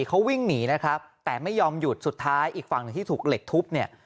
เขาวิ่งหนีนะครับแต่ไม่ยอมหยุดสุดท้ายอีกฝั่งหนึ่งที่ถูกเหล็กทุบเนี่ย